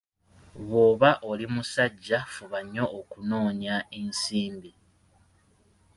Bw’oba oli musajja fuba nnyo okunoonya nsimbi.